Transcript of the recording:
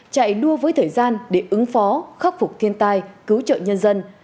chạy đua với thời gian để ứng phó khắc phục thiên tai cứu trợ nhân dân